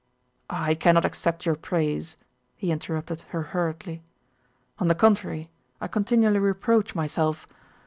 "I cannot accept your praise," he interrupted her hurriedly. "On the contrary I continually reproach myself....